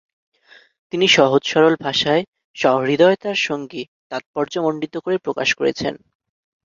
তিনি সহজ সরল ভাষায় সহৃদয়তার সংগে তাৎপর্যমণ্ডিত করে প্রকাশ করেছেন।